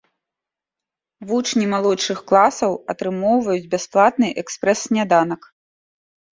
Вучні малодшых класаў атрымоўваюць бясплатны экспрэс-сняданак.